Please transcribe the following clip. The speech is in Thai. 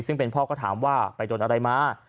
ซึ่งเป็นพ่อก็ถามว่าไปโดนอะไรมา